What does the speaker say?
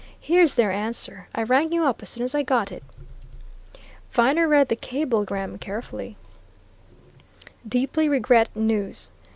Here's their answer. I rang you up as soon as I got it." Viner read the cablegram carefully: Deeply regret news.